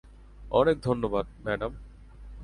অনেক ধন্যবাদ, ম্যাডাম।